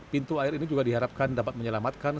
pintu air ini juga diharapkan dapat menyelamatkan